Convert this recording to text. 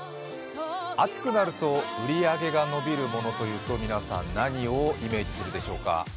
暑くなると売り上げが伸びるものというと皆さん何をイメージするでしょうか？